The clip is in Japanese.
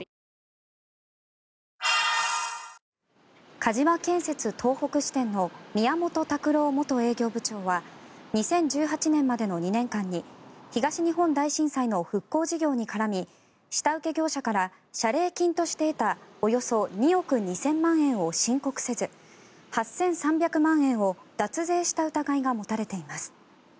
鹿島建設東北支店の宮本卓郎元営業部長は２０１８年までの２年間に東日本大震災の復興事業に絡み下請け業者から謝礼金として得たおよそ２億２０００万円を申告せず８３００万円を脱税した疑いが持たれています。